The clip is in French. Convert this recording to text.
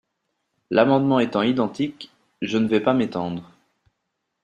L’amendement étant identique, je ne vais pas m’étendre.